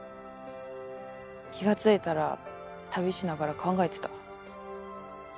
気がついたら旅しながら考えてた。